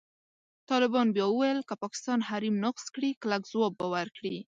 طالبان بیا وویل، که پاکستان حریم نقض کړي، کلک ځواب به ورکړي.